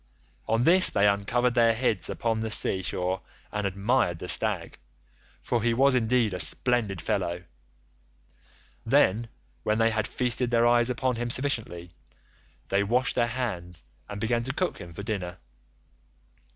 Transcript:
On this they uncovered their heads upon the sea shore and admired the stag, for he was indeed a splendid fellow. Then, when they had feasted their eyes upon him sufficiently, they washed their hands and began to cook him for dinner.